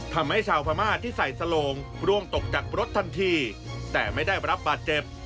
ทำให้ชาวพม่าที่ใส่สโลงร่วงตกจากรถทันทีแต่ไม่ได้รับบาดเจ็บ